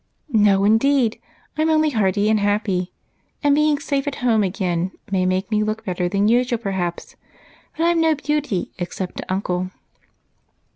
"No, indeed! I'm only hearty and happy, and being safe at home again may make me look better than usual perhaps, but I'm no beauty except to Uncle."